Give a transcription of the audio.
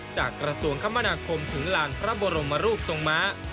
กระทรวงคมนาคมถึงลานพระบรมรูปทรงม้า